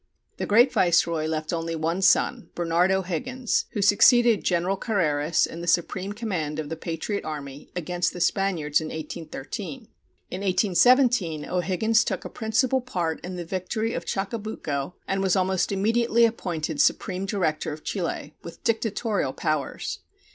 The great viceroy left only one son, Bernard O'Higgins, who succeeded General Carreras in the supreme command of the patriot army against the Spaniards in 1813. In 1817 O'Higgins took a principal part in the victory of Chacabuco, and was almost immediately appointed supreme director of Chile, with dictatorial powers.